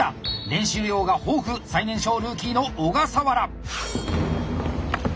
練習量が豊富最年少ルーキーの小笠原。